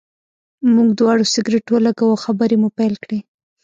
موږ دواړو سګرټ ولګاوه او خبرې مو پیل کړې.